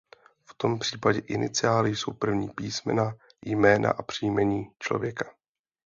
V tom případě iniciály jsou první písmena jména a příjmení člověka.